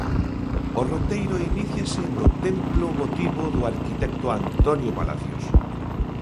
O roteiro iníciase no Templo Votivo do arquitecto Antonio Palacios.